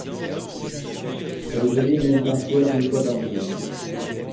elle venait même parfois deux fois par jour